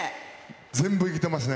全部いけてますね。